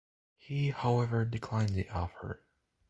He however declined the offer.